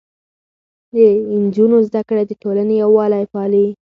د نجونو زده کړه د ټولنې يووالی پالي.